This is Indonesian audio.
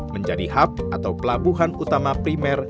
menjadi hub atau pelabuhan utama primer